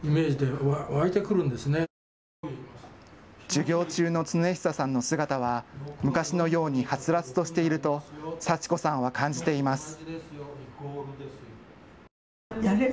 授業中の亘久さんの姿は昔のように、はつらつとしていると祥子さんは感じています。